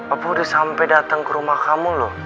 aku udah sampai datang ke rumah kamu loh